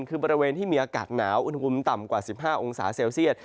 คือบริเวณที่มีอากาศหนาวอุณหภูมิต่ำกว่า๑๕องศาเซลเซียต